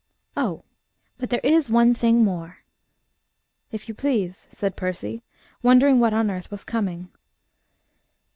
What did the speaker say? Oh! but there is one thing more." "If you please," said Percy, wondering what on earth was coming.